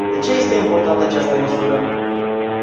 De ce este importantă această măsură?